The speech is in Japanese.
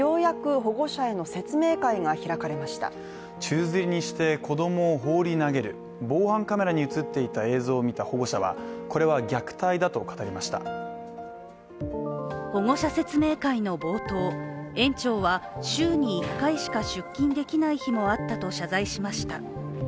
保護者説明会の冒頭、園長は週に１回しか出勤できない日もあったと謝罪しました。